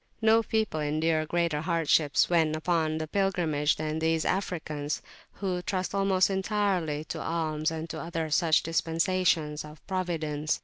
No people endure greater hardships when upon the pilgrimage than these Africans, who trust almost entirely to alms and to other such dispensations of Providence.